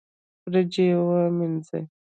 وريجي مينځي